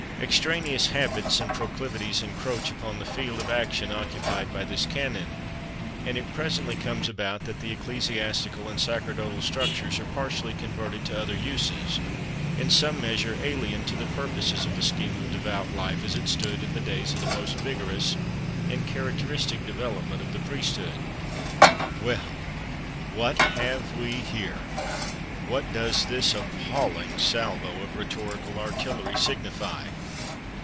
Extraneous habits and proclivities encroach upon the field of action occupied by this canon, and it presently comes about that the ecclesiastical and sacerdotal structures are partially converted to other uses, in some measure alien to the purposes of the scheme of devout life as it stood in the days of the most vigorous and characteristic development of the priesthood. Well, what have we here? What does this appalling salvo of rhetorical artillery signify?